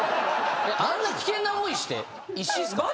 あんな危険な思いして石っすか？